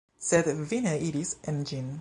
Sed vi ne iris en ĝin.